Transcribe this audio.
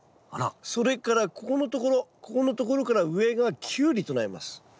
それからここのところここのところから上がキュウリとなります。